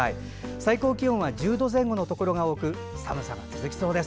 最高気温は１０度前後のところが多く寒さが続きそうです。